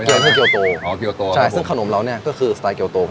เท่าเกียวโตอ๋อเกียวโตใช่ซึ่งขนมเราเนี่ยก็คือสไตล์เกียวโต